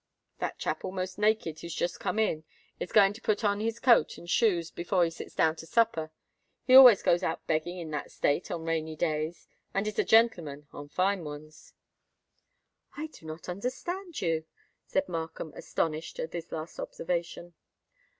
That chap almost naked who's just come in, is going to put on his coat and shoes before he sits down to supper; he always goes out begging in that state on rainy days, and is a gentleman on fine ones." "I do not understand you," said Markham, astonished at this last observation.